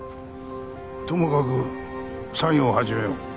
ともかく作業を始めよう。